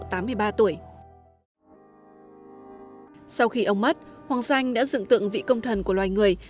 sau khi ông mất hoàng danh đã dựng tượng vị công thần của loài người